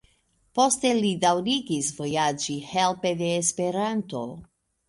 Poste li daŭrigis vojaĝi helpe de Esperanto.